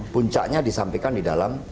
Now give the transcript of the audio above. puncaknya disampaikan di dalam